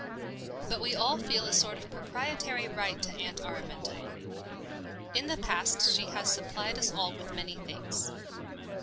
But we all feel a sort of proprietary right to Aunt Araminta. In the past she has supplied us all with many things.